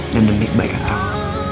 dan demi kebaikan kamu